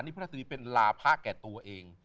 นี่พระทัศนีเป็นลาพระแก่ตัวเอง